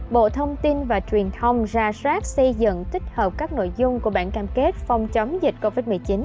bộ thông tin và truyền thông ra soát xây dựng tích hợp các nội dung của bản cam kết phòng chống dịch covid một mươi chín